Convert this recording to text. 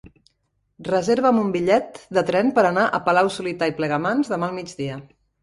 Reserva'm un bitllet de tren per anar a Palau-solità i Plegamans demà al migdia.